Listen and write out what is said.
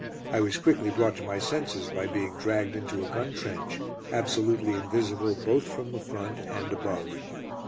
I was quickly brought to my senses by being dragged into a gun trench, absolutely invisible both from the front and above.